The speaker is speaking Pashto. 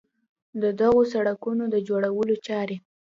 د دغو سړکونو د جوړولو چارې